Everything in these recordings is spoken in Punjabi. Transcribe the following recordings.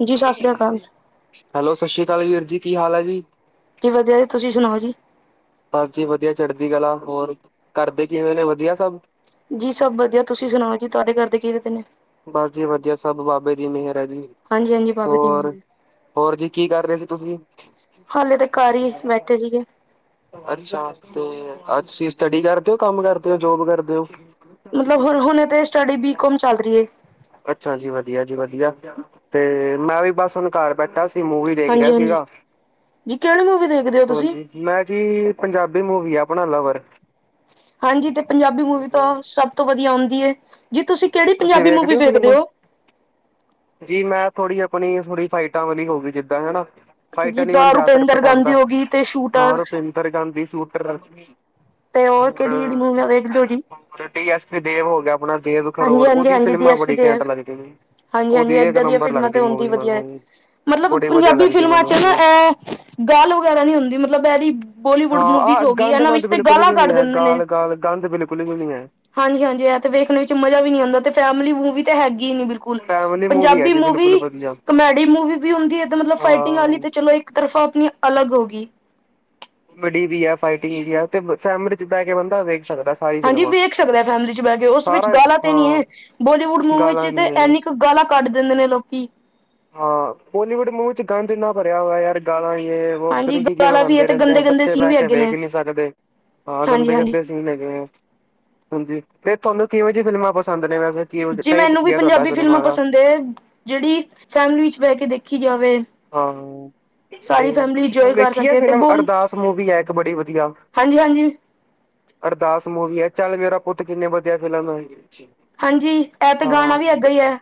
ਜੀ ਸਤਿ ਸ੍ਰੀ ਅਕਾਲ ਹੈਲੋ, ਸਸ਼੍ਰੀ ਕਾਲ ਵੀਰ ਜੀ, ਕੀ ਹਾਲ ਐ ਜੀ? ਕੀ ਵਧੀਆ ਜੀ, ਤੁਸੀ ਸੁਨਾਓ ਜੀ? ਬਸ ਜੀ ਵਦੀਆ, ਚੜਦੀ ਕਲਾ। ਹੋਰ ਘਰ ਦੇ ਕਿਵੇਂ ਨੇ, ਵਧੀਆ ਸਬ? ਜੀ ਸਬ ਵਧੀਆ, ਤੁਸੀ ਸੁਨਾਓ ਜੀ, ਤੁਆਡੇ ਘਰ ਦੇ ਕੀ ਕਰਦੇ ਨੇ ਬਸ ਜੀ ਵਧੀਆ, ਸਬ ਬਾਬੇ ਦੀ ਮੇਹਰ ਹੈ ਜੀ। ਹਾਂਜੀ ਹਾਂਜੀ ਬਾਬੇ ਦੀ ਹੋਰ, ਮਿਹਰ ਹੋਰ ਜੀ ਕੀ ਕਰ ਰਏ ਸੀ ਤੁਸੀ? ਹਾਲੇ ਤੇ ਘਰ ਈ ਬੈਠੇ ਸੀਗੇ। ਅੱਛਾ, ਤੇ ਅੱਛੀ ਸਟੱਡੀ ਕਰਦੇ ਓ, ਕਮ ਕਰਦੇ ਓ, ਜੋਬ ਕਰਦੇ ਓ? ਮਤਲਬ, ਹੁਣ ਹੁਣੇ ਤੇ ਸਟੱਡੀ ਬੀ ਕੋਮ ਚਲ ਰੀ ਏ। ਅੱਛਾ ਜੀ, ਵਧੀਆ ਜੀ, ਵਧੀਆ ਤੇ ਮੈਂ ਵੀ ਬਸ ਹੁਨ ਘਰ ਬੈਠਾ ਤੇ ਮੂਵੀ ਦੇਖ ਹਾਂਜੀ ਰਿਆ ਹਾਂਜੀ ਸੀਗਾ, ਜੀ ਕਿਹੜੀ ਮੂਵੀ ਦੇਖਦੇ ਹੋ ਤੁਸੀਂ ਹਾਂਜੀ ਮੈਂ ਜੀ, ਪੰਜਾਬੀ ਮੂਵੀ ਆ ਆਪਨਾ ਲਵਰ ਹਾਂਜੀ, ਤੇ ਪੰਜਾਬੀ ਮੂਵੀ ਤੋ ਸਭ ਤੋ ਵਦੀਆ ਹੁੰਦੀ ਏ, ਜੀ ਤੁਸੀ ਕੇੜੀ ਤੁਸੀਂ ਪੰਜਾਬੀ ਮੂਵੀ ਹੋ ਫਿਲਮ ਵੇਖਦੇ ਓ? ਜੀ, ਮੈਂ ਥੋੜੀ ਆਪਨੀ, ਥੋੜੀ ਫਾਈਟਾਂ ਵਾਲੀ ਹੋਗੀ ਜਿੱਦਾਂ, ਹੈਣਾ ਫਾਈਟ ਆਲੀ ਮੈਨੂੰ ਜਿੱਦਾਂ ਜਿਆਦਾਤਰ ਰੁਪਿੰਦਰ ਪਸੰਦ ਗਾਂਧੀ ਹੋ ਗਈ ਤੇ ਆ, ਸ਼ੂਟਰ ਰੁਪਿੰਦਰ ਗਾਂਧੀ ਸ਼ੂਟਰ ਤੇ ਹੋਰ ਕਿਹੜੀਆਂ ਕਿਹੜੀਆਂ ਮੂਵੀਆਂ ਵੇਖਦੇ ਓ ਜੀ? ਡੀ ਐਸ ਪੀ ਦੇਵ ਹੋ ਗਿਆ, ਆਪਨਾ ਦੇਵ ਹਾਂਜੀ ਕਰੋੜ ਹਾਂਜੀ ਓਦੀ ਹਾਂਜੀ ਜੀ ਫਿਲਮਾਂ ਐਸ ਪੀ ਬੜੀ ਦੇ ਘੈਂਟ ਲੱਗਦੀ, ਹਾਂਜੀ ਹਾਂਜੀ ਓਦੀ ਏਕ ਏਦਾਂ ਦੀਆਂ ਨੰਬਰ ਫਿਲਮਾਂ ਤੇ ਲੱਗਦੀ ਹੁੰਦੀ ਮੂਵੀ ਵਧੀਆ ਹੈ ਮੈਨੂੰ ਈ ਮਤਲਬ, ਪੰਜਾਬੀ ਫਿਲਮਾਂ ਚ ਨਾ ਐ ਗਾਲ ਵਗੈਰਾ ਨੀ ਹੁੰਦੀ, ਮਤਲਬ ਐ ਵੀ ਹਾਂ ਬੋਲੀਵੁੱਡ ਮੂਵੀਜ਼ ਆਹ ਹੋ ਗੀ, ਗੰਦ ਐਨਾਂ ਮੰਦ ਵਿੱਚ ਤੇ ਬਿਲਕੁਲ ਗਾਲਾਂ ਵੀ ਨੀ ਕੱਢ ਹੈ ਦਿੰਦੇ ਨੇ। ਗਾਲ ਗਾਲ ਗੰਦ ਬਿਲਕੁਲ ਵੀ ਨੀ ਹੈ। ਹਾਂਜੀ, ਹਾਂਜੀ ਐ ਤੇ ਵੇਖਨੇ ਇੱਚ ਮਜਾ ਵੀ ਨੀ ਆਂਦਾ, ਤੇ ਫੈਮਿਲੀ ਮੂਵੀ ਤੇ ਹੈਗੀ ਈ ਨੀ, ਬਿਲਕੁਲ। ਫੈਮਿਲੀ ਹੈ ਪੰਜਾਬੀ ਜੀ ਮੂਵੀ ਬਿਲਕੁਲ ਵਧੀਆ ਕਮੇਡੀ ਮੂਵੀ ਵੀ ਹੁੰਦੀ ਏ, ਮਤਲਬ ਫਾਈਟਿੰਗ ਹਾਂ। ਵਾਲੀ ਤੇ ਚਲੋ ਇੱਕ ਇੱਕ ਤਰਫਾ ਅਪਨੀ ਅਲੱਗ ਹੋ ਗਈ ਕੋਮੇਡੀ ਵੀ ਐ, ਫਾਈਟਿੰਗ ਵੀ ਐ, ਤੇ ਫੈਮਿਲੀ ਚ ਬੈ ਕੇ ਬੰਦਾ ਵੇਖ ਸਕਦਾ ਸਾਰੀ ਹਾਂਜੀ ਫਿਲਮਾਂ। ਵੇਖ ਸਕਦਾ ਫੈਮਿਲੀ ਚ ਬਹਿ ਕੇ ਉਸ ਵਿੱਚ ਸਾਰਾ ਗਾਲਾ ਤੇ ਨੀ ਹਾਂ ਹੈ ਬੋਲੀਵੁੱਡ ਮੂਵੀ ਗਾਲਾਂ ਚ ਨੀ ਤੇ ਹੈ ਐਨੀ ਕੁ ਗਾਲਾ ਕੱਢ ਦਿੰਦੇ ਨੇ ਲੋਕੀ। ਹਾਂ ਬੋਲੀਵੁੱਡ ਮੂਵੀ ਚ ਗੰਦ ਇਨਾ ਭਰਿਆ ਹੋਇਆ ਯਾਰ ਗਾਲਾਂ ਯੇ ਹਾਂਜੀ ਉੱਧਰ ਕੀ ਕਿਵੇਂ ਗਾਲਾਂ ਵੀ ਹੈ ਖਾਂਦੇ ਤੇ ਰਹਿੰਦੇ ਆ ਗੰਦੇ-ਗੰਦੇ ਬੱਚੇ ਸੀਨ ਬੈ ਵੀ ਕੇ ਹੈਗੇ ਵੇਖ ਨੇ ਨੀ ਸਕਦੇ ਹਾਂ ਗੰਦੇ ਹਾਂਜੀ-ਹਾਂਜੀ। ਗੰਦੇ ਲਗੇ ਹਾਂਜੀ ਤੇ ਤੁਹਾਨੂੰ ਕਿਵੇਂ ਜੀ ਫਿਲਮਾਂ ਪਸੰਦ ਨੇ ਵੈਸੇ ਕੀ ਜੀ ਟਾਈਪ ਮੈਨੂੰ ਕੀ ਵੀ ਹੈ ਤੁਹਾਡਾ ਪੰਜਾਬੀ ਫਿਲਮਾਂ ਦਾ ਪਸੰਦ ਏ ਜਿਹੜੀ ਫੈਮਲੀ ਚ ਬਹਿ ਕੇ ਦੇਖੀ ਜਾਵੇ। ਹਾਂ। ਤੇ ਸਾਰੀ ਫੈਮਿਲੀ ਤੁਸੀਂ ਇੰਜੋਏ ਹੁਣ ਕਰ ਦੇੇਖੀ ਆ ਸਕੇ ਤੇ ਫਿਲਮ ਬੋਲ ਅਰਦਾਸ ਮੂਵੀ ਹੈ ਇੱਕ ਬੜੀ ਵਧੀਆ। ਹਾਂਜੀ ਹਾਂਜੀ ਅਰਦਾਸ ਮੂਵੀ ਹੈ ਚੱਲ ਮੇਰਾ ਪੁੱਤ ਕਿੰਨੀ ਵਧੀਆ ਫਿਲਮ ਹੈ ਹਾਂਜੀ ਇਹ ਤਾਂ ਗਾਣਾ ਵੀ ਹਾਂ ਐਗਾ ਹੀ ਹੈ।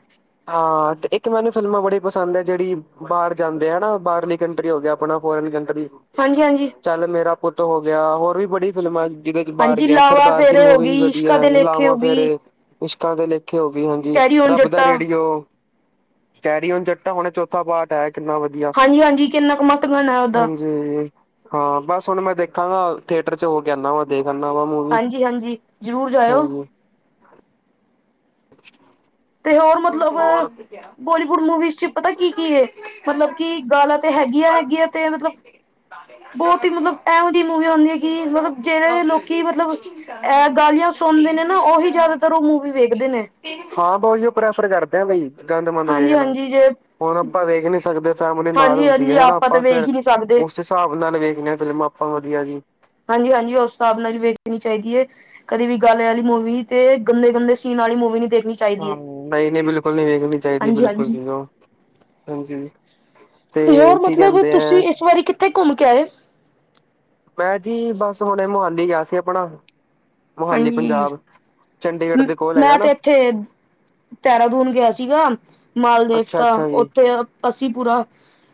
ਹਾਂ ਤੇ ਇੱਕ ਮੈਨੂੰ ਫਿਲਮਾਂ ਬੜੀ ਪਸੰਦ ਹੈ ਜਿਹੜੀ ਬਾਹਰ ਜਾਂਦੇ ਆ ਨਾ ਬਾਹਰਲੀ ਕੰਟਰੀ ਹੋ ਗਿਆ ਆਪਣਾ ਫੋਰਨ ਕੰਟਰੀ ਹਾਂਜੀ-ਹਾਂਜੀ ਚੱਲ ਮੇਰਾ ਪੁੱਤ ਹੋ ਗਿਆ ਹੋਰ ਵੀ ਬੜੀ ਫ਼ਿਲਮਾਂ ਜਿਹਦੇ 'ਚ ਬਾਰ ਹਾਂਜੀ ਗਿਆ ਲਾਵਾ ਸਰਦਾਰ ਜੀ ਫੇਰੇ ਹੋ ਮੁਵੀ ਵੀ ਗਈ ਇਸ਼ਕਾ ਵਧੀਆ ਦੇ ਲੇਖੇ ਹੋ ਲਾਵਾਂ ਗਈ ਫੇਰੇ ਇਸ਼ਕਾਂ ਦੇ ਲੇਖੇ ਹੋ ਗਏ ਹਾਂਜੀ ਕੈਰੀ ਓਨ ਰੱਬ ਦਾ ਜੱਟਾ ਰੇਡੀਓ। ਕੈਰੀਓਨ ਜੱਟਾ ਹੁਣੇ ਚੌਥਾ ਪਾਟ ਆਇਆ ਕਿੰਨਾ ਵਧੀ ਹਾਂਜੀ-ਹਾਂਜੀ ਕਿੰਨਾ ਕੁ ਮਸਤ ਗਾਣਾ ਓਦਾ‌ ਹੂੰ ਹਾਂ ਬਸ ਹੁਣ ਮੈਂ ਦੇਖਾਂਗਾ ਥੀਏਟਰ 'ਚ ਹੋ ਕੇ ਆਣਾ ਵਾਂ। ਦੇਖ ਆਣਾ ਵਾ ਮੂਵੀ ਹਾਂਜੀ ਹਾਂਜੀ ਜ਼ਰੂਰ ਜਾਇਓ ਹਾਂਜੀ। [inaudible] ਤੇ ਹੋਰ ਮਤਲਬ ਹੋਰ ਬੋਲੀਵੁੱਡ ਮੂਵੀਜ਼ 'ਚ ਪਤਾ ਕੀ-ਕੀ ਏ ਮਤਲਬ ਕਿ ਗਾਲਾਂ ਤੇ ਹੈਗੀਆਂ-ਹੈਗੀਆਂ ਤੇ ਮਤਲਬ ਬੋਤ ਈ ਮਤਲਬ ਇਹੋ ਜਿਹੀ ਮੂਵੀ ਹੁੰਦੀ ਆਂ ਕਿ ਮਤਲਬ ਜੇੜੇ ਲੋਕੀ ਮਤਲਬ ਐ ਗਾਲੀਆਂ ਸੁਣਦੇ ਨੇ ਨਾ ਉਹੀ ਜਾਦਾਤਰ ਓ ਮੂਵੀ ਵੇਖਦੇ ਨੇ। ਹਾਂ ਬਹੁ ਉਹੀ ਪ੍ਰੈਫਰ ਕਰਦੇ ਆਾਂ ਬਈ ਗੰਦ ਮੰੰਦ ਹਾਂਜੀ ਵੇਖਣਾ ਹਾਂਜੀ ਜੇ ਹੁਣ ਆਪਾਂ ਵੇਖ ਨੀ ਸਕਦੇ। ਫੈਮਿਲੀ ਨਾਲ ਹਾਂਜੀ ਹੁੰਦੀ ਹਾਂਜੀ ਹੈ ਹਨਾ ਤਾਂ ਆਪਾਂ ਵੇਖ ਫਿਰ ਹੀ ਨਹੀਂ ਸਕਦੇ ਉਸ ਹਿਸਾਬ ਨਾਲ ਵੇਖਦੇ ਹਾਂ ਫ਼ਿਲਮ ਆਪਾਂ ਵਧੀਆ ਜੀ। ਹਾਂਜੀ-ਹਾਂਜੀ ਉਸ ਹਿਸਾਬ ਨਾਲ ਵੀ ਵੇਖਣੀ ਚਾਈਦੀ ਏ। ਕਦੀ ਵੀ ਗਾਲੇ ਵਾਲੀ ਮੂਵੀ ਤੇ ਗੰਦੇ-ਗੰਦੇ ਸੀਨ ਵਾਲੀ ਮੂਵੀ ਨੀ ਦੇਖਣੀ। ਚਾਹੀਦੀ ਹਾਂ ਹੈ ਨਈ-ਨਈ ਬਿਲਕੁਲ ਨਈ ਵੇਖਣੀ ਚਾਈਦੀ ਹਾਂਜੀ ਬਿਲਕੁਲ ਹਾਂਜੀ ਜੀ ਓ ਹਾਂਜੀ। ਤੇ ਹੋਰ ਕੀ ਮਤਲਬ ਕੈਂਦੇ ਤੁਸੀਂ ਆ। ਇਸ ਵਾਰੀ ਕਿੱਥੇ ਘੁੰਮ ਕੇ ਆਏ। ਮੈ ਜੀ ਬਸ ਹੁਣੇ ਮੋਹਾਲੀ ਗਿਆ ਸੀ ਆਪਣਾ ਮੋਹਾਲੀ ਹਾਂਜੀ ਪੰਜਾਬ ਚੰਡੀਗੜ੍ਹ ਦੇ ਕੋਲ ਹੈਗਾ ਮੈਂ ਨਾ। ਤੇ ਇੱਥੇ ਦੇਹਰਾਦੂਨ ਗਿਆ ਸੀਗਾ ਮਾਲ ਅੱਛਾ ਦੇਵਤਾ ਅੱਛਾ ਜੀ ਉੱਥੇ ਅਸੀ ਪੂਰਾ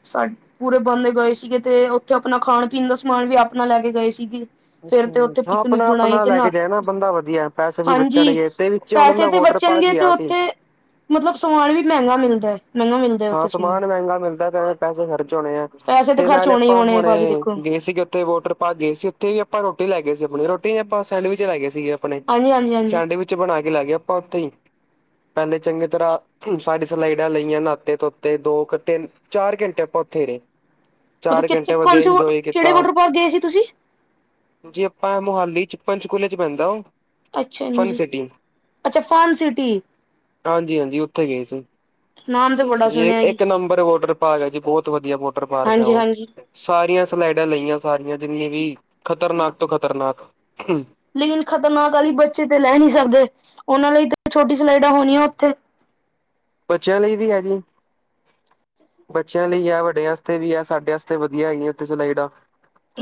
ਸਾ ਪੂਰੇ ਬੰਦੇ ਗਏ ਸੀਗੇ ਤੇ ਉੱਥੇ ਆਪਣਾ ਖਾਣ ਪੀਣ ਦਾ ਸਮਾਨ ਵੀ ਆਪਣਾ ਲੈ ਕੇ ਗਏ ਸੀਗੇ। ਫਿਰ ਤੇ ਉੱਥੇ ਅੱਛਾ ਹਾਂ ਪਿਕਨਿਕ ਆਪਣਾ ਮਨਾਈ ਆਪਣਾ ਕਿ ਲੈ ਨਾ। ਕੇ ਜਾਏ ਬੰਦਾ ਵਧੀਆ ਪੈਸੇ ਵੀ ਹਾਂਜੀ ਬਚਣਗੇ ਤੇ ਵਿੱਚ ਉਨਾਂ ਪੈਸੇ ਦਾ ਤੇ ਵੋਟਰ ਪਾਰਕ ਬਚਣਗੇ ਤੇ ਗਿਆ ਸੀ। ਉੱਥੇ ਮਤਲਬ ਸਮਾਨ ਵੀ ਮੈਂਗਾ ਮਿਲਦਾ ਮੈਨੂੰ ਵੀ ਹਾਂ ਸਮਾਨ ਮੈਂਗਾ ਮਿਲਦਾ ਤੇ ਪੈਸੇ ਖਰਚ ਹੋਣੇ ਆ। ਪੈਸੇ ਤੇ ਖਰਚ ਨਾਲੇ ਹੋਣੇ ਹੀ ਆਪਾਂ ਹੋਣੇ ਆ ਹੁਣੇ ਭਾਜੀ ਦੇਖੋ ਗਏ ਸੀਗੇ ਉੱਥੇ ਵੋਟਰ ਭਾਜੀ ਗਏ ਸੀ ਉੱਥੇ ਹੀ ਆਪਾਂ ਰੋਟੀ ਲੈ ਗਏ ਸੀ ਆਪਣੀ ਰੋਟੀ ਆਪਾਂ ਸੈਂਡਵਿਚ ਲੈ ਗਏ ਸੀਗੇ ਆਪਣੇ ਹਾਂਜੀ ਹਾਂਜੀ ਹਾਂਜੀ ਸੈਂਡਵਿਚ ਬਣਾ ਕੇ ਲਾ ਗਏ ਆਪਾਂ ਉੱਥੇ ਹੀ ਪੈਲੇ ਚੰਗੀ ਤਰ੍ਹਾਂ ਸਾਡ ਸਲਾਈਡਾਂ ਲਈਆਂ ਨਾ ਤੇ ਤੋ ਤੇ ਦੋ ਤਿੰਨ ਚਾਰ ਘੰਟੇ ਆਪਾਂ ਉੱਥੇ ਰਏ। ਮਤਲਬ ਚਾਰ ਕਿੱਥੇ ਘੰਟੇ ਵਧੀਆ ਕੌਣ ਸੇ ਇੰਜੋਏ ਕਿਹੜੇ ਕੀਤਾ। ਵਾਟਰ ਪਾਰਕ ਗਏ ਸੀ ਤੁਸੀਂ ਜੀ ਆਪਾਂ ਮੋਹਾਲੀ 'ਚ ਪੰੰਚਕੂਲੇ 'ਚ ਪੈਂਦਾ ਓ। ਅੱਛਾ ਜੀ। ਅੱਛਾ ਫੰਨ ਸਿਟੀ। ਹਾਂਜੀ-ਹਾਂਜੀ ਉੱਥੇ ਗਏ ਸੀ। ਨਾਮ ਤੇ ਬੜਾ ਸੁਣਿਆ ਜੀ ਇੱਕ ਨੰਬਰ ਵੋਟਰ ਪਾਰਕ ਐ ਜੀ ਬੋਤ ਵਧੀਆ ਵੋਟਰ ਪਾਰਕ ਏ ਹਾਂਜੀ ਓ। ਹਾਂਜੀ ਸਾਰੀਆਂ ਸਲਾਈਡਾਂ ਲਈਆਂ ਸਾਰੀਆਂ ਜਿੰਨੀਆਂ ਵੀ ਖ਼ਤਰਨਾਕ ਤੋਂ ਖ਼ਤਰਨਾਕ ਲੇਕਿਨ ਖ਼ਤਰਨਾਕ ਵਾਲੀ ਬੱਚੇ ਤੇ ਲੈ ਨਈ ਸਕਦੇ ਉਨਾਂ ਲਈ ਤਾਂ ਛੋਟੀ ਸਲਾਈਡਾਂ ਹੋਣੀਆਂ ਉੱਥੇ ਬੱਚਿਆਂ ਲਈ ਵੀ ਹੈਗੀ। ਬੱਚਿਆਂ ਲਈ ਏ ਵੱਡਿਆਂ ਅਸਤੇ ਵੀ ਏ ਸਾਡੇ ਅਸਤੇ ਵਧੀਆ ਹੈਗੀਆਂ ਉੱਥੇ ਸਲਾਈਡਾ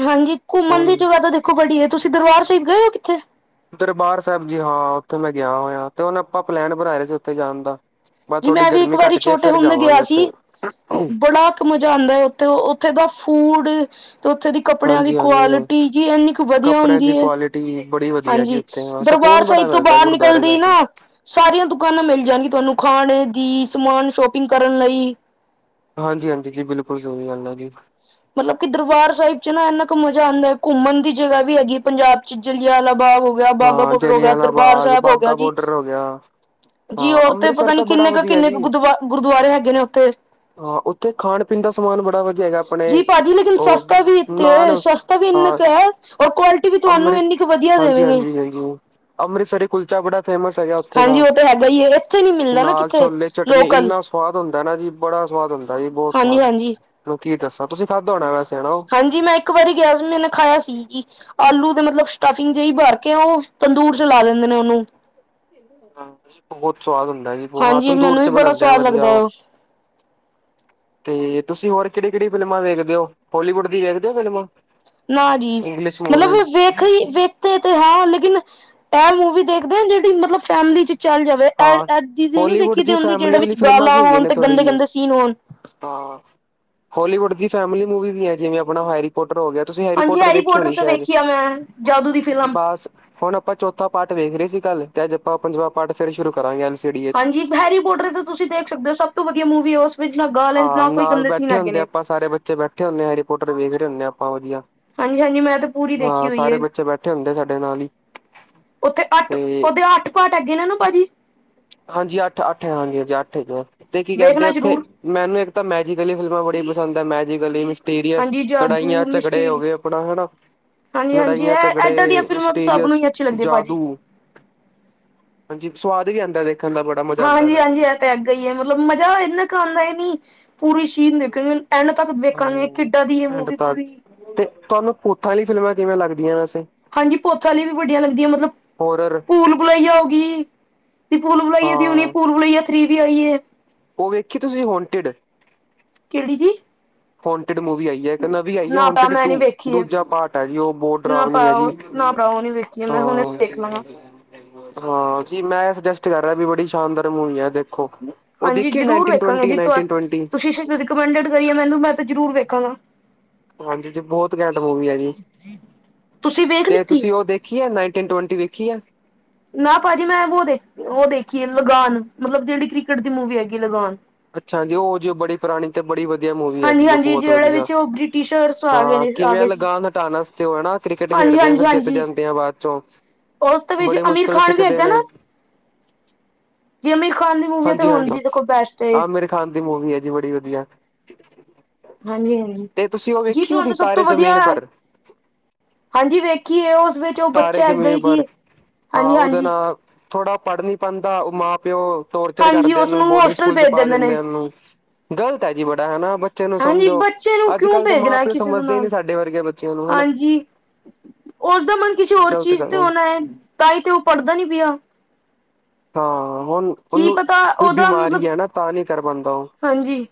ਹਾਂਜੀ ਘੁੰਮਨ ਦੀ ਜਗ੍ਹਾ ਤਾਂ ਦੇਖੋ ਬੜੀ ਏ ਤੁਸੀ ਦਰਬਾਰ ਸਾਬ ਗਏ ਓ ਕਿੱਥੇ ਦਰਬਾਰ ਸਾਬ ਜੀ ਹਾਂ ਉੱਥੇ ਮੈਂ ਗਿਆ ਹੋਇਆ ਤੇ ਹੁਨ ਆਪਾਂ ਪਲੈਨ ਬਨਾਏ ਰੇ ਸੀ ਉੱਥੇ ਜਾਨ ਦਾ ਬਸ ਜੀ ਥੋੜ੍ਹੀ ਮੈਂ ਵੀ ਇੱਕ ਗਰਮੀ ਵਾਰੀ ਘੱਟ ਕੇ ਛੋਟੇ ਫਿਰ ਹੁੰਦਾ ਗਿਆ ਜਾਵਾਂਗੇ ਸੀ ਉੱਥੇ ਬੜਾ ਮਜਾ ਆਂਦਾ ਉੱਥੇ-ਉੱਥੇ ਦਾ ਫੂਡ ਤੇ ਉੱਥੇ ਦੀ ਕੱਪੜਿਆਂ ਦੀ ਹਾਂਜੀ ਹਾਂਜੀ ਕੁਆਲਟੀ ਜੀ ਇੰਨੀ ਕੁ ਵਧੀਆ ਕੱਪੜਿਆਂ ਹੁੰਦੀ ਦੀ ਏ ਕੁਆਲਿਟੀ ਬੜੀ ਵਧੀਆ ਜੀ ਹਾਂਜੀ ਉੱਥੇ ਹਾਂ ਦਰਬਾਰ ਸਕੂਨ ਬੜਾ ਸਾਇਬ ਤੋ ਮਿਲਦਾ ਬਾਰ ਗੁਰਦੁਆਰੇ ਨਿਕਲਦੇ ਜਾ ਈ ਨਾ ਕੇ ਸਾਰੀਆਂ ਦੁਕਾਨਾਂ ਮਿਲ ਜਾਨਗੀ ਤਾਨੂੰ ਖਾਨ ਦੀ ਸਮਾਨ ਸ਼ੋਪਿੰਗ ਕਰਨ ਲਈ ਹਾਂਜੀ-ਹਾਂਜੀ ਜੀ ਬਿਲਕੁਲ ਜ਼ਰੂਰੀ ਗੱਲ ੲੈ ਜੀ ਮਤਲਬ ਕਿ ਦਰਬਾਰ ਸਾਇਬ ਚ ਨਾ ਅਨਾਕ ਮਜ਼ਾ ਆਂਦਾ ਕੁੰਮਨ ਦੀ ਜਗ੍ਹਾ ਵੀ ਹੈਗੀ, ਪੰਜਾਬ ਚ ਜਲਿਆਲਾ ਬਾਗ ਹੋ [unintelligible] ਹਾਂ ਬਾਂਗਾਬੋਡਰ ਹੋ ਗੇਆ ਜਲਿਆਂਵਾਲਾ ਦਰਬਾਰ ਬਾਗ, ਸਾਬ ਹੋ ਬਾਘਾ ਗੇਆ ਜੀ ਬੋਡਰ ਹੋ ਗਿਆ, ਜੀ ਹਾਂ ਔਰ ਤੇ ਪਤਾ ਅੰਮ੍ਰਿਤਸਰ ਨੀ ਤਾਂ ਬੜਾ ਕਿੰਨੇ ਕ, ਵਧੀਆ ਕਿੰਨੇ ਕ ਜੀ। ਗੁਦਵਾ, ਗੁਰਦੁਵਾਰੇ ਹੈਗੇ ਨੇ ਓਥੇ ਹਾਂ, ਓਥੇ ਖਾਨ-ਪੀਨ ਦਾ ਸਮਾਨ ਬੜਾ ਵ ਧੀ ਹੈਗਾ ਅਪਨੇ, ਜੀ ਭਾਜੀ ਲੇਕਿਨ ਓ, ਸਸਤਾ ਵੀ ਇੱਥੇ ਨਾਨ, ਹੈ ਸਸਤਾ ਵੀ ਇੰਨਾ ਆ, ਕੁ ਹੈ ਔਰ ਕੁਆਲਿਟੀ ਵੀ ਤੁਹਾਨੂੰ ਅੰਮ੍ਰਿਤ ਇੰਨੀ ਕੁ ਵਧੀਆ ਜੀ ਦੇਵੇਗੇ ਆਜੀ, ਜੀ ਆਜੀ ਓ, ਅੰਮ੍ਰਿਤਸਰ ਕੁਲਚਾ ਬੜਾ ਫੇਮਸ ਹੈਗਾ ਓਥੇ ਹਾਂਜੀ ਦਾ, ਉਹ ਤਾਂ ਹੈਗਾ ਹੀ ਹੈ ਇੱਥੇ ਨੀ ਮਿਲਦਾ ਨਾ ਨਾਲ ਕਿੱਥੇ ਛੋਲੇ ਚਟਨੀ ਲੋਕਲ ਇੰਨਾ ਸਵਾਦ ਹੁੰਦਾ ਨਾ ਜੀ ਬੜਾ ਸੁਵਾਦ ਹੁੰਦਾ ਜੇ ਬੋਤ ਹਾਂਜੀ ਸਵਾਦ, ਹਾਂਜੀ [unintelligible] ਨੂੰ ਕੀ ਦੱਸਾਂ ਤੁਸੀਂ ਖਾਧਾ ਹੋਨਾ ਵੈਸੇ ਓ ਜੀ ਮੈਂ ਇੱਕ ਵਾਰੀ ਗਿਆ ਸੀ, ਮੈਨੇ ਖਾਆ ਸੀ, ਜੀ ਆਲੂ ਦੇ ਮਤਲਬ ਸਟਫਿੰਗ ਜੇਈ ਬਰ ਕੇ ਓ ਤੰਦੂਰ ਚ ਲਾ ਦਿੰਦੇ ਨੇ ਓਨੂੰ ਬੋਤ ਸਵਾਦ ਹੁੰਦਾ ਜੀ ਬੋਹਤ, ਹਾਂਜੀ ਤੰਦੂਰ ਮੈਨੂੰ ਵੀ ਚ ਬੜਾ ਬਨਾਂਦੈ ਸਵਾਦ ਵਧੀਆ ਲੱਗਦਾ ਹੈ ਓ ਉਹ ਤੇ, ਤੁਸੀਂ ਹੋਰ ਕਿੜੀ-ਕਿੜੀ ਫਿਲਮਾਂ ਵੇਖਦੇ ਓ, ਵੋਲੀਵੁੱਡ ਦੀ ਵੇਖਦੇ ਓ ਫਿਲਮਾ। ਨਾਂ ਜੀ, ਮਤਲਬ ਵੇਖ ਲੀ ਵੇ ਤੇ-ਤੇ ਹੈ, ਲੇਕਿਨ, ੲੈ ਮੂਵੀ ਦੇਖਦੇ ਜਿੜੀ ਮਤਲਬ ਫੈਮਲੀ ਚ ਚੱਲ ਜ ਵੇ, ਐਡ, ਹਾਂ ਐ ਚਿਜੇ ਨੀ ਹੋਲੀਵੁੱਡ ਦੇਖੀ ਦੀ ਹੁੰਦੀ ਫੈਮਿਲੀ ਜੇੜੇ ਵਾਲੀ ਵਿੱਚ ਫਿਲਮਾਂ ਗਾਲਾਂ ਵੀ ਹੈਗੀਆਂ ਹੋਨ ਨੇ ਤੇ ਥੋੜ੍ਹੀ ਜਿਹੀ ਗੰਦੇ-ਗੰਦੇ ਸੀਨ ਹੋਨ ਹਾਂ, ਹੋਲੀਵੁੱਡ ਦੀ ਫੈਮਿਲੀ ਮੂਵੀ ਵੀ ਹੈਗੀ ਜਿਵੇਂ ਆਪਨਾ ਹੈਰੀ ਪੋਟਰ ਹੋ ਗੇਆ ਤੁਸੀਂ ਹਾਂਜੀ ਹੈਰੀਪੋਟਰ ਹੈਰੀ ਵੇਖੀ ਪੋਟਰ ਹੋਨੀ ਤੇ ਸ਼ੈਦ, ਵੇਖੀ ਆ ਮੈਂ ਜਾਦੂ ਦੀ ਫਿਲਮ ਬੱਸ ਹੁਣ ਅਪਾਂ ਚੌਥਾ ਪਾਠ ਵੇਖ ਰੇ ਸੀ ਕੱਲ ਤੇ ਅੱਜ ਅਪਾਂ ਪੰਜਵਾ ਪਾਠ ਫੇਰ ਸ਼ੁਰੂ ਕਰਾਂਗੇ ੲੈਲ ਹਾਂਜੀ ਹੈਰੀ ਪੋਟਰ ਤੇ ਤੁਸੀਂ ਦੇਖ ਸਕਦੇ ਓ ਸਭ ਤੋਂ ਵਧੀਆ ਮੂਵੀ ਓਸ ਹਾਂ ਨਾਲ ਬੈਠੇ ਹੁੰਦੇ ਅਪਾ ਸਾਰੇ ਬੱਚੇ ਬੈਠੇ ਹੁੰਨੇ ਆ ਹੈਰੀ ਪੋਟਰ ਵੇਖ ਰੇ ਹੁੰਨੇ ਅਪਾ ਵਧੀਆ ਹਾਂਜੀ ਹਾਂਜੀ ਮੈਂ ਤੇ ਪੂਰੀ ਹਾਂ ਦੇਖੀ ਹੋਈ ਸਾਰੇ ਹੈ ਬੱਚੇ ਬੈਠੇ ਹੁੰਦੇ ਸਾਡੇ ਨਾਲ ਈ ਉੱਥੇ ਅੱਠ, ਓਦੇ ਅੱਠ ਪਾਠ ਹੈਗੇ ਆ ਨਾ ਪਾਜੀ ਹਾਂਜੀ ਅੱਠ-ਅੱਠ ਹਾਂਜੀ ਅਜ ਅੱਠ [unintelligible] ਤੇ ਕੀ ਕੈੰਦੇ ਵੇਖਣਾ ਓਥੇ ਜ਼ਰੂਰ ਮੈਨੂੰ ਏਕ ਤਾਂ ਮੈਜੀਕਲੀ ਫਿਲਮਾਂ ਬੜੀ ਪਸੰਦ ਏ ਮੈਜੀਕਲੀ ਮਿ ਪੀਰੀਅਸ ਹਾਂਜੀ ਜਾਦੂ ਲੜਾਈਆਂ-ਝਗੜੇ ਹੋ ਮਿਸਟਰੀ ਗੇ ਆਪਣਾ ਹਣਾ ਹਾਂਜੀ ਹਾਂਜੀ ਲੜਾਈਆਂ ਇਹ ਏਦਾਂ ਦੀਆਂ ਚਗੜੇ ਫਿਲਮਾਂ ਤਾਂ ਸਭ ਨੂੰ ਐਸਟੇਰੀਅਸ ਹੀ ਅੱਛੀ ਲੱਗਦੀ ਭਾਜੀ ਜਾਦੂ ਹਾਂਜੀ ਸਵਾਦ ਵੀ ਆਂਦਾ ਦੇਖਨ ਦਾ ਬ ਹਾਂਜੀ-ਹਾਂਜੀ ਐ ਤੇ ਏਧਾ ਈ ੲੈ ਮਤਲਬ ਮਜ਼ਾ ਇੰਨਾ ਕ ਆਦਾ ੲੈ ਨੀ ਪੂਰੀ ਸ਼ੀਨ ਦੇਖ ਐਂਡ ਤੱਕ ਵੇਖਾਂਗੇ ਕਿੱਡਾਂ ਦੀ ਏ ਮੂਵੀ ਪੂਰੀ ਪੂੱਤਾ ਆਲੀ ਫਿਲਮਾਂ ਕਿਵੇਂ ਲੱਗਦੀਆਂ ਵੈਸੇ ਹਾਂਜੀ, ਪੋਥ ਆਲੀ ਵੀ ਵੱਡੀਆਂ ਲਗਦੀ ਮਤਲਬ ਹੋਰਰ ਪੂਲ ਬੁਲਈਆ ਹੋ ਗੀ, ਪੂਲ ਬੁਲਈਏ ਦੀ ਹੁਨੀ ਪੂਲ ਬੁਲਈਆ ਥਰੀ ਵੀ ਆਈ ਏ। ਓ ਵੇਖੀ ਤੁਸੀਂ ਹੋੋਂਟਿਡ? ਕੈੜੀ ਜੀ ਫੋਟਿਡ ਮੂਵੀ ਆਈ ਜੇ ਏਕ ਨਵੀ ਆਈ ਐ ਨਾ ਭਰਾ ਹੋਨਟੀਡ ਮੈਂ ਨੀ ਟੂ, ਵੇਖੀ ਹੈ ਦੂਜਾ ਪਾਟ ਆ ਜੀ ਓ ਬੋ ਡਰਾਵਨੀ ੲੈ ਜੀ ਜੇ ਮੈਂ ਹੁਣੇ ਹਾਂ ਵੇਖ ਲਵਾ ਹਾਂ, ਜੀ ਮੈਂ ੲੈ ਸਜੈਸਟ ਕੱਰ ਰੇਆ ਵੀ ਬੜੀ ਸ਼ਾਨਦਾਰ ਮੂਵੀ ੲੈ ਦੇ ਹਾਂਜੀ, ਜ਼ਰੂਰ ਵੇਖਾਂਗੇ ਜੀ ਤੋਆ ਨਾਈਨਟੀਨ ਟਵੰਟੀ ਤੁਸੀਂ ਸ ਰਿਕਮੈਂਡਡ ਕਰੀ ਆ ਮੈਨੂੰ ਮੈਂ ਤੇ ਜ਼ਰੂਰ ਵੇਖਾਂਗਾ। ਹਾਂਜੀ ਜੀ ਬੋਤ ਕੈੰਟ ਮੂਵੀ ਆ ਜੀ, ਤੁਸੀਂ ਵੇਖ ਤੇ ਲਿੱਤੀ ਤੁਸੀਂ ਓ ਦੇ ਕਿਯਾਰ ਨਾਈਨਟੀਨ ਟਵਟੀ ਵੇਖੀ ਆ ਨਾ ਭਾਜੀ ਮੈਂ ਵੋ ਦੇਖ ਓ ਦੇਖੀ ਏ ਲਗਾਨ ਮਤਲਬ ਜਿੜੀ ਕ੍ਰਿਕਟ ਦੀ ਮੂਵੀ ਹੈਗੀ ਲਗਾਨ। ਅੱਛਾ, ਹਾਂਜੀ, ਉਹ ਜੋ ਬੜੇ ਪੁਰਾਣੀ ਤੇ ਬੜੀ ਵਧੀਆ ਮੂਵੀ ਹਾਂਜੀ ਹੈਜੀ, ਉਹ ਹਾਂਜੀ ਬਹੁਤ ਜਿਹੜੇ ਵਧੀਆ, ਵਿੱਚ ਉਹ ਬ੍ਰਿਟਿਸ਼ਰਸ ਆ ਗਏ ਹਾਂ ਨੇ ਆ ਕਿਵੇਂ ਗਏ ਸੀ ਲਗਾਨ ਹਟਾਨਾ ਤੇ ਓ ਐਨਾ ਕ੍ਰਿਕਟ ਹਾਂਜੀ ਖੇਡਦੇ ਆਂ, ਹਾਂਜੀ ਫਿਰ ਜਿੱਤ ਹਾਂਜੀ ਜਾਂਦੇ ਆ ਬਾਅ'ਚੋਂ ਉਸ ਦੇ ਵਿੱਚ ਬੜੀ ਅਮੀਰ ਮੁਸ਼ਕਿਲ ਖਾਨ ਸਿੱਖਦੇ ਨੇ। ਜਿ ਅਮੀਰ ਖਾਨ ਦੀ ਮੂਵੀ ਆ, ਤੇ ਹਾਂਜੀ ਹੁੰਨ ਹਾਂਜੀ ਜੀ ਦੇਖੋ ਬੈਸਟ ਏ। ਆਮਿਰ ਖਾਨ ਦੀ ਮੂਵੀ ਐ ਜੀ ਬੜੀ ਵਧੀਆ। ਹਾਂਜੀ-ਹਾਂਜੀ, ਤੇ ਤੁਸੀਂ ਉਹ ਜੀ ਵੇਖੀ ਤੁਹਾਨੂੰ ਉਹਦੀ ਸਭ ਤੋਂ ਤਾਰੇ ਵਧੀਆ ਜ਼ਮੀਨ ਪਰ ਹਾਂਜੀ ਵੇਖੀਏ, ਉਸ ਵਿੱਚ ਉਹ ਤਾਰੇ ਬੱਚੇ ਅੱਗੇ ਜ਼ਮੀਨ ਈ ਕੀ, ਪਰ ਹਾਂ ਉਹਦੇ ਹਾਂਜੀ-ਹਾਂਜੀ। ਨਾਲ ਥੋੜਾ ਪੜ ਨੀ ਪਾਂਦਾ, ਉਹ ਮਾਂ-ਪਿਓ ਟੋਰਚਰ ਹਾਂਜੀ ਕਰਦੇ ਆ ਉਹਨੁੰ, ਉਸਨੂੰ ਬੋਰਡਿੰਗ ਹੋਸਟਲ ਸਕੂਲ'ਚ ਭੇਜ ਪਾ ਦਿੰਦੇ ਨੇ ਆ, ਉਹਨੂੰ। ਗਲਤ ਹੈ ਜੀ, ਬੜਾ ਹੈਨਾ ਬ ਬੱਚੇ ਨੂੰ ਹਾਂਜੀ ਸਮਝੋ, ਬੱਚੇ ਨੂੰ ਕਿਉਂ ਅੱਜ-ਕੱਲ ਦੇ ਭੇਜਣਾ ਹੈ ਮਾਂ-ਪਿਓ ਕਿਸੇ ਦੇ ਸਮਝਦੇ ਈ ਨੀ ਨਾਲ ਸਾਡੇ ਵਰਗੇ ਬੱਚਿਆਂ ਨੂੰ, ਹਨਾ। ਹਾਂਜੀ ਉਸਦਾ ਮਨ ਕਿਸੇ ਹੋਰ ਗ਼ਲਤ ਚੀਜ਼ ਗੱਲ ਤੇ ਆ। ਹੋਨਾ ਏ, ਤਾਂਈ ਤੇ ਉਹ ਪੜਦਾ ਨੀ ਪਿਆ। ਹਾਂ, ਹੁਣ, ਕੀ ਉਹਨੂੰ ਪਤਾ ਕੋਈ ਉਹਦਾ ਬਿਮਾਰੀ ਮਤਲਬ ਐ ਨਾ ਤਾਂ ਨਹੀਂ ਕਰ ਪਾਂਦਾ ਓ। ਹਾਂਜੀ,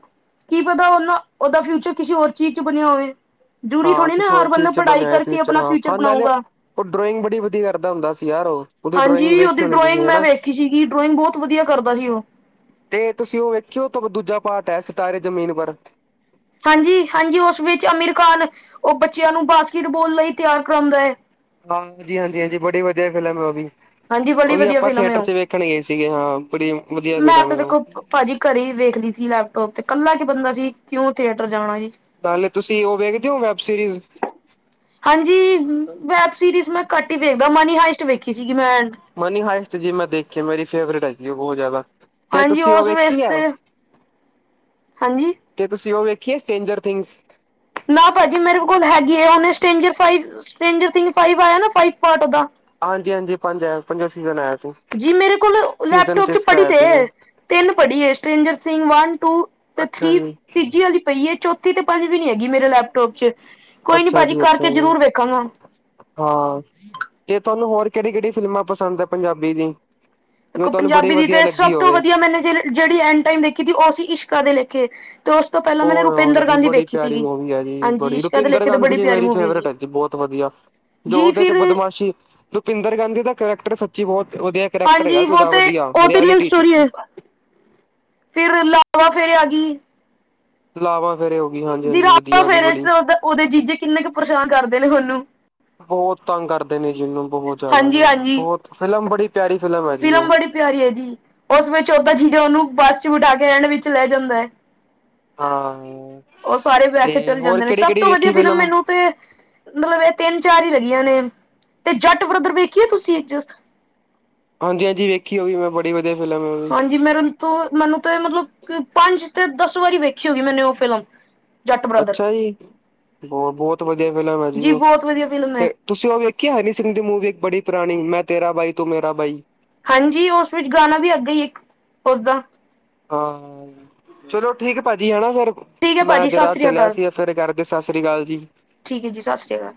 ਕੀ ਪਤਾ ਉਹਨਾ ਉਹਦਾ ਫਿਊਚਰ ਕਿਸੇ ਹੋਰ ਚੀਜ਼'ਚ ਬਨਿਆ ਹੋਵੇ। ਜ਼ਰੂਰੀ ਹਾਂ ਥੋੜੀ ਨਾ, ਕਿਸੇ ਹੋਰ ਹਰ ਚੀਜ਼ ਬੰਦਾ ਚ ਪੜ੍ਹਾਈ ਬਣਿਆ ਹੋਇਆ ਕਰਕੇ ਅਪਣਾ ਹਾਂ ਫਿਊਚਰ ਹਾਂ ਨਾਲੇ ਬਣਾਊਂਗਾ। ਉਹ ਡਰੌਇੰਗ ਬੜੀ ਵਧੀਆ ਕਰਦਾ ਹੁੰਦਾ ਸੀ ਯਾਰ ਉਹ, ਓਦੇ ਡਰੌਇੰਗ ਵੇਖੀ ਹੋਣੀ ਤੁਸੀਂ ਹਨਾ? ਦੇਖੀ ਸੀਗੀ, ਡਰੋਇੰਗ ਬਹੁਤ ਵਧੀਆ ਕਰਦਾ ਸੀ ਉਹ। ਤੇ ਤੁਸੀਂ ਉਹ ਵੇਖੀ ਓ ਦੂਜਾ ਪਾਾਰਟ ਏ, ਸਿਤਾਰੇ ਜ਼ਮੀਨ ਪਰ। ਹਾਂਜੀ-ਹਾਂਜੀ, ਉਸ ਵਿੱਚ ਅਮੀਰ ਖਾਨ ਉਹ ਬੱਚਿਆਂ ਨੂੰ ਬਾਸਕਿਟਬਾਲ ਲਈ ਤਿਆਰ ਕਰਾਉਂਦਾ ਏ। ਹਾਂਜੀ-ਹਾਂਜੀ-ਹਾਂਜੀ, ਬੜੀ ਵਧੀਆ ਫਿਲਮ ਏ, ਓਹ ਵੀ। ਹਾਂਜੀ ਬੜੀ ਓ ਵੀ ਵਧੀਆ ਆਪਾ ਫਿਲਮ ਹੈ ਉਹ। ਥੀਏਟਰ'ਚ ਵੇਖਣ ਗਏ ਸੀਗੇ ਹਾਂ, ਬੜੀ ਵਧੀਆ ਮੈਂ ਫਿਲਮ ਤਾਂ ਏ, ਓ। ਦੇਖੋ ਭਾਜੀ ਘਰੇ ਵੇਖ ਲਈ ਸੀ ਲੈਪਟੋਪ ਤੇ, ਕੱਲਾ ਕਿ ਬੰਦਾ ਸੀ ਕਿਉਂ ਥੀਏਟਰ ਜਾਣਾ ਜੀ। ਨਾਲੇ ਤੁਸੀ ਉਹ ਵੇਖਦੇ ਐਂ, ਵੈਬ ਸੀਰੀਜ਼? ਹਾਂਜੀ, ਵੈਬ ਸੀਰੀਜ਼ ਮੈਂ ਘੱਟ ਈ ਵੇਖਦਾ, ਮਨੀ ਹਾਇਸਟ ਵੇਖੀ ਸੀਗੀ ਮੈਂ। ਮਨੀ ਹਾਇਸਟ ਜੀ, ਮੈਂ ਦੇਖੀ ਆ ਮੇਰੀ ਫੇਵਰੇਟ ਹੈਗੀ, ਉਹ ਬਹੁਤ ਜ਼ਿਆਦਾ। ਤੇ, ਹਾਂਜੀ ਤੁਸੀ ਓ ਉਸ ਵੇਸ ਵੇਖੀ ਐ। ਤੇ ਹਾਂਜੀ? ਤੇ ਤੁਸੀ ਉਹ ਵੇਖੀਏ, ਸਟੇਂਜਰ ਥਿੰਗਸ? ਨਾ ਭਾਜੀ ਮੇਰੇ ਕੋਲ ਹੈਗੀ ਐਂ, ਇਹਨੇ ਸਟ੍ਰੇਂਜਰ ਫਾਈਵ, ਸਟ੍ਰੇਂਜਰ ਥਿੰਗ ਆਇਆ ਨਾ ਫਾਇਵ ਪਾਰਟ ਓਦਾ। ਹਾਂਜੀ-ਹਾਂਜੀ, ਪੰਜ ਐ, ਪੰਜਵਾ ਸੀਜ਼ਨ ਆਇਆ। ਸੀ ਜੀ ਮੇਰੇ ਕੋਲ, ਸੀਜ਼ਨ ਲੈਪਟੋਪ'ਚ ਫਿਫਥ ਪੜੀ ਆਇਆ ਤੇ ਸੀਗਾ। ਏ। ਤਿੰਨ ਪੜੀ ਏ, ਸੁਰਿੰਜਰ ਸਿੰਘ ਵਨ, ਟੂ ਤੇ ਅੱਛਾ ਥ੍ਰੀ ਜੀ, ਤੀਜੀ ਵਾਲੀ ਪਈਏ, ਚੋ ਥੀ ਤੇ ਪੰਜਵੀ ਨੀ ਹੈਗੀ ਮੇਰੇ ਲੈਪਟੋਪ'ਚ, ਕੋਈ ਨੀ ਅੱਛਾ ਭਾਜੀ ਜੀ, ਅੱਛਾ ਕਰਕੇ ਜੀ ਜ਼ਰੂਰ ਵੇਖਾਂਗਾ। ਹਾਂ, ਤੇ ਤੁਹਾਨੂੰ ਹੋਰ ਕਿਹੜੀ-ਕਿਹੜੀ ਫਿਲਮਾਂ ਪਸੰਦ ਏ, ਪੰਜਾਬੀ ਦੀ। ਜੋ ਦੇਖੋ ਤੁਹਾਨੂੰ ਬੜੀ ਪੰਜਾਬੀ ਦੀ ਵਧੀਆ ਤੇ, ਸਭ ਲੱਗੀ ਤੋਂ ਹੋਵੇ। ਵਧੀਆ ਮੈਨੇ ਜ ਜਿਹੜੀ ਐਂਡ ਟਾਈਮ ਦੇਖੀ ਤੀ, ਓਹ ਸੀਂ ਇਸ਼ਕਾ ਦੇ ਲੇਖੇ, ਤੇ ਉਸ ਤੋਂ ਪਹਿਲਾਂ ਓ, ਮੈਨੇ ਓ, ਰੁਪਿੰਦਰ ਜੀ ਗਾਂਧੀ ਬੜੀ ਵੇਖੀ ਪਿਆਰੀ ਸੀਗੀ ਮੂਵੀ ਐ ਜੀ, ਹਾਂਜੀ ਬੜੀ ਇਸ਼ਕਾ ਦੇ ਰੁਪਿੰਦਰ ਲੇਖੇ ਤੇ ਗਾਂਧੀ ਬੜੀ ਜੀ ਪਿਆਰੀ ਮੇਰੀ ਮੂਵੀ ਹੈ ਫੇਵਰੇਟ ਜੀ ਹੈਜੀ ਬਹੁਤ ਵਧੀਆ। ਜੋ ਜੀ ਉਹਦੇ'ਚ ਫਿਰ ਬਦਮਾਸ਼ੀ, ਰੁਪਿੰਦਰ ਗਾਂਧੀ ਦਾ ਕਰੈਕਟਰ ਸੱਚੀ ਬਹੁਤ ਵਧੀਆ ਕਰੈਕਟਰ ਹੈਗਾ ਹਾਂਜੀ, ਸੀ ਵੋ ਉਹਦਾ ਤੇ, ਵਧੀਆ ਉਹ ਤੇ ਰੀਅਲ ਰਿਐਲਿਟੀ ਚ ਸਟੋਰੀ ਏ। ਫਿਰ, ਲਾਵਾ-ਫੇਰੇ ਆਗੀ। ਲਾਵਾਂ ਫੇਰੇ ਹੋਗੀ, ਜੀ ਹਾਂਜੀ-ਹਾਂਜੀ ਲਾਵਾ ਵਧੀਆ ਉਹ ਵੀ ਫੇਰੇ ਚ ਬੜੀ। ਉਹਦਾ- ਉਹਦੇ ਜੀਜੇ ਕਿੰਨੇ ਕ ਪਰੇਸ਼ਾਨ ਕਰਦੇ ਨੇ ਉਹਨੂੰ। ਬਹੁਤ ਤੰਗ ਕਰਦੇ ਨੇ ਜੀ, ਉਹਨੂੰ ਬਹੁਤ ਜ਼ਿਆਦਾ, ਹਾਂਜੀ ਹਾਂਜੀ ਬਹੁਤ, ਫਿਲਮ ਬੜੀ ਪਿਆਰੀ ਫਿਲਮ ਹੈਗੀ ਉਹ। ਪਿਆਰੀ ਏ ਜੀ, ਉਸ ਵਿੱਚ ਓਦਾ ਜੀਜਾ ਉਹਨੂੰ ਬੱਸ'ਚ ਬਿਠਾਕੇ ਐਂਡ ਵਿੱਚ ਲੈ ਜਾਂਦੈ। ਹਾਂ-ਹਾਂ ਓ ਸਾਰੇ ਵੈਖ ਕੇ ਚਲੇ ਜਾਦੇ ਨੇ ਸਭ ਤੋਂ ਵਧੀਆ ਫਿਲਮ ਮੈਨੂੰ ਤੇ ਮਤਲਬ ਏ ਤਿੰਨ-ਚਾਰ ਹੀ ਲੱਗੀਆਂ ਨੇ ਤੇ ਜੱਟ ਬ੍ਰਦਰ ਵੇਖੀਏ ਤੁਸੀਂ ਹਾਂਜੀ ਹਾਂਜੀ ਵੇਖੀ ਓ ਵੀ ਮੈਂ ਬੜੀ ਵਧੀਆ ਫਿਲਮ ਆ ਓ ਵੀ ਜੀ ਮੇਰੇ ਹੁਨ। ਤੋਂ ਮੈਨੂੰ ਤੇ ਮਤਲਬ ਪੰਜ ਕੇ ਦਸ ਵਾਰੀ ਵੇਖੀ ਹੋਏਗੀ ਮੈਨੇ ਓ ਫਿਲਮ ਜੱਟ ਬ੍ਰਦਰ ਅੱਛਾ ਜੀ, ਬਹੁਤ ਵਧੀਆ ਫਿਲਮ ਆ ਜੀ ਓ ਬਹੁਤ ਵਧੀਆ ਫਿਲਮ ਹੈ ਤੇ ਤੁਸੀਂ ਓ ਵੇਖੀ ਆ ਹਨੀ ਸਿੰਘ ਦੀ ਮੂਵੀ ਇੱਕ ਬੜੀ ਪੁਰਾਣੀ ਮੈਂ ਤੇਰਾ ਬਾਈ ਤੂੰ ਮੇਰਾ ਬਾਈ ਹਾਂਜੀ ਉਸ ਵਿੱਚ ਗਾਣਾ ਵੀ ਅੱਗੇ ਹੀ ਇੱਕ ਉਸਦਾ ਹਾਂ ਚਲੋ ਠੀਕ ਆ ਭਾਜੀ ਹੈਣਾ ਫੇਰ ਠੀਕ ਹੈ ਮੈਂ ਭਾਜੀ ਸਤਿ ਜਰਾ ਸ੍ਰੀ ਚਲਿਆ ਅਕਾਲ ਸੀ ਏ ਫੇਰ ਕਰਕੇ ਸਤਿ ਸ੍ਰੀ ਅਕਾਲ ਜੀ। ਠੀਕ ਆ ਜੀ ਸਤਿ ਸ਼੍ਰ ਅਕਾਲ।